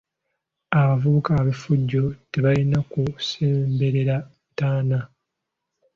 Abavubuka ab’effujjo tebalina kusemberera ntaana.